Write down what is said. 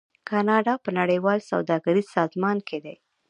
کاناډا په نړیوال سوداګریز سازمان کې دی.